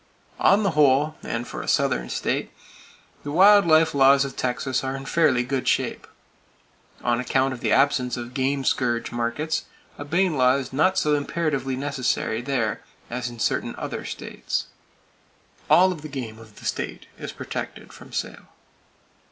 On the whole, and for a southern state, the wild life laws of Texas are in fairly good shape. On account of the absence of game scourge markets, a Bayne law is not so imperatively necessary there as in certain other states. All the game of the state is protected from sale.